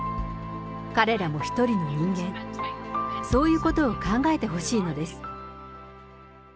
彼らも一人の人間、そういうことを考えてほしいのです。